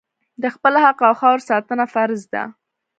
د خپل حق او خاورې ساتنه فرض ده.